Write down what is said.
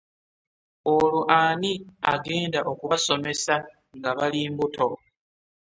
Olwo ani agenda okubasomesa nga bali mbuto?